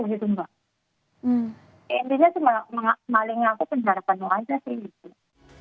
intinya cuma maling ngaku penjara penuh aja sih